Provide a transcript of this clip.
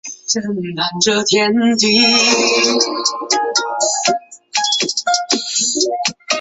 此修订排除了往后行政长官选举中任何人士自动当选的可能性。